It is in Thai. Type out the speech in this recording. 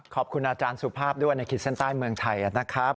ขอบคุณอาจารย์สุภาพด้วยในขีดเส้นใต้เมืองไทยนะครับ